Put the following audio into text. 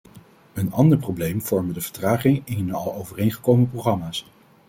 Een ander probleem vormen de vertragingen in al overeengekomen programma's.